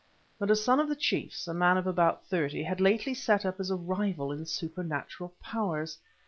But a son of the chief's, a man of about thirty, had lately set up as a rival in supernatural powers.